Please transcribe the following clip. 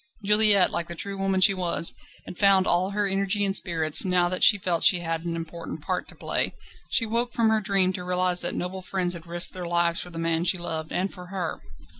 Juliette, like the true woman she was, had found all her energy and spirits now that she felt that she had an important part to play. She woke from her dream to realise that noble friends had risked their lives for the man she loved and for her.